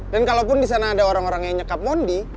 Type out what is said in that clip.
dan kalaupun di sana ada orang orang yang nyekap mondi